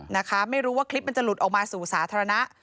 นะคะไม่รู้ว่าคลิปมันจะหลุดออกมาสู่สาธารณะ